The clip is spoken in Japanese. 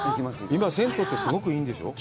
今、銭湯ってすごくいいんでしょう？